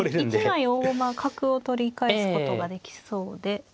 １枚大駒角を取り返すことができそうで。